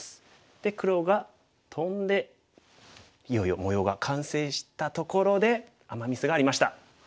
で黒がトンでいよいよ模様が完成したところでアマ・ミスがありました。